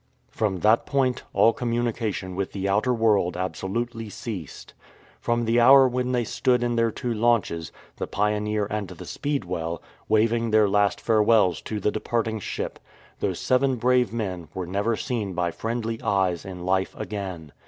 *" From that point all communication with the outer world absolutely ceased. From the hour when they stood in their two launches, the Pioneer and the Speedxvell, waving their last farewells to the departing ship, those seven brave men were never seen by friendly eyes in life again.